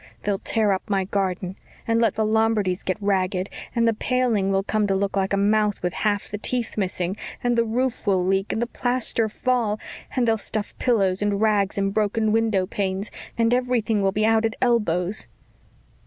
They'll tear up my garden and let the Lombardies get ragged and the paling will come to look like a mouth with half the teeth missing and the roof will leak and the plaster fall and they'll stuff pillows and rags in broken window panes and everything will be out at elbows."